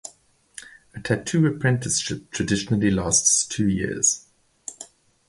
A tattoo apprenticeship traditionally lasts two years.